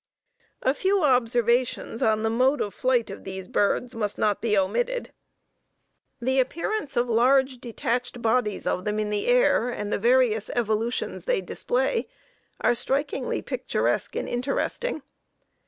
A few observations on the mode of flight of these birds must not be omitted. The appearance of large detached bodies of them in the air and the various evolutions they display are strikingly picturesque and interesting.